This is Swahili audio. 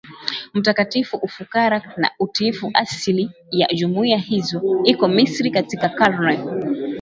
mtakatifu ufukara na utiifu Asili ya jumuiya hizo iko Misri Katika karne